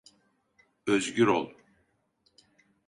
Özgür ol.